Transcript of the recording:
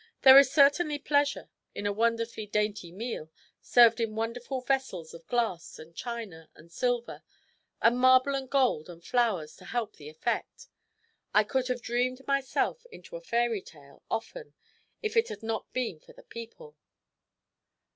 There is certainly pleasure in a wonderfully dainty meal, served in wonderful vessels of glass and china and silver, and marble and gold and flowers to help the effect. I could have dreamed myself into a fairy tale, often, if it had not been for the people."